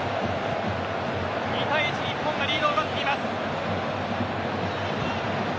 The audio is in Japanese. ２対１、日本がリードを奪っています。